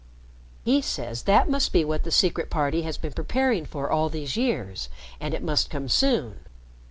"He says that must be what the Secret Party has been preparing for all these years. And it must come soon.